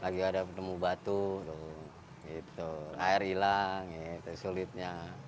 lagi ada penemu batu air hilang sulitnya